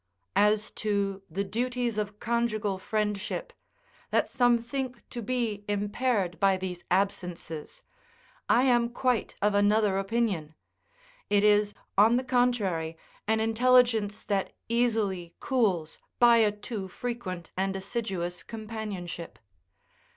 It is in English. As to the duties of conjugal friendship, that some think to be impaired by these absences, I am quite of another opinion. It is, on the contrary, an intelligence that easily cools by a too frequent and assiduous companionship.